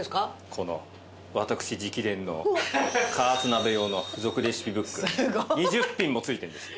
この私直伝の加圧鍋用の付属レシピブック２０品も付いてるんですよ。